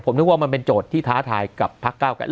ผมนึกว่ามันเป็นโจทย์ที่ท้าทายกับพักเก้าไกร